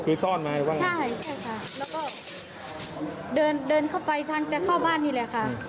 คือซ่อนมาให้บ้างใช่ค่ะแล้วก็เดินเข้าไปทั้งแต่เข้าบ้านนี่แหละค่ะ